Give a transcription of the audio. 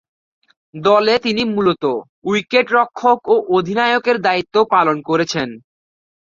দলে তিনি মূলতঃ উইকেট-রক্ষক ও অধিনায়কের দায়িত্ব পালন করেছেন।